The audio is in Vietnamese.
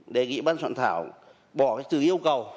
đề nghị ban soạn thảo bỏ cái từ yêu cầu